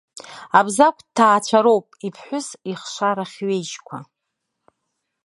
Абзагә дҭаацәароуп, иԥҳәыс, ихшара хьҩежьқәа.